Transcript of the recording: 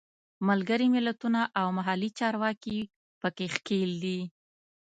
ملګري ملتونه او محلي چارواکي په کې ښکېل دي.